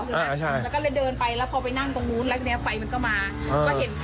เปิดไฟเหมือนเปิดไฟโทรศัพท์มือถือ